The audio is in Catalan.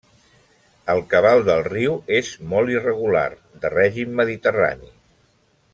El cabal del riu és molt irregular, de règim mediterrani.